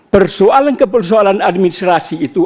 persoalan ke persoalan administrasi itu